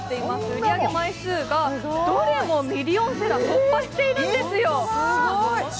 売り上げ枚数がどれもミリオンセラー、突破してるんですよ。